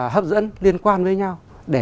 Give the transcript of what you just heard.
hấp dẫn liên quan với nhau để